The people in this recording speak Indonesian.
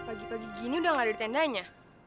pagi pagi gini udah nggak ada tendanya